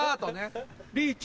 リーチ。